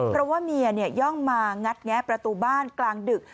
เพราะว่าเมียย่องมางัดแงะประตูบ้านกลางดึก